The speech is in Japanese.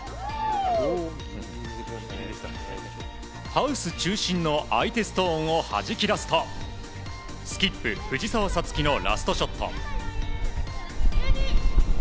ハウス中心の相手ストーンをはじき出すとスキップ、藤澤五月のラストショット。